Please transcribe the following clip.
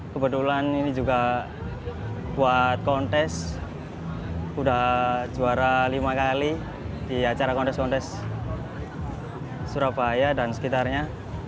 kebetulan ini juga buat kontes sudah juara lima kali di acara kontes kontes surabaya dan sekitarnya